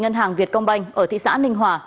ngân hàng việt công banh ở thị xã ninh hòa